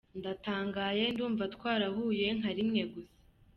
Ndatangaye, ndumva twarahuye nka rimwe gusa !